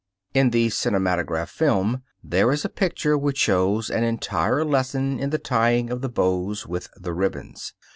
In the cinematograph film there is a picture which shows an entire lesson in the tying of the bows with the ribbons.